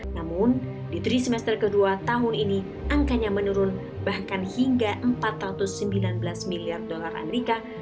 namun di tiga semester kedua tahun ini angkanya menurun bahkan hingga empat ratus sembilan belas miliar dolar amerika